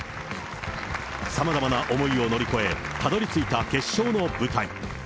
さまざまな思いを乗り越え、たどりついた決勝の舞台。